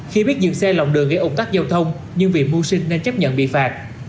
khi biết dường xe lòng đường gây ổn tắc giao thông nhưng vì mua sinh nên chấp nhận bị phạt